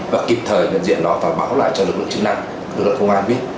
và kịp thời nhận diện nó và báo lại cho lực lượng chức năng lực lượng công an biết